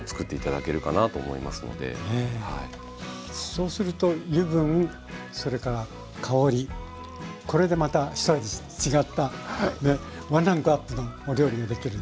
そうすると油分それから香りこれでまたひと味違ったワンランクアップのお料理ができる。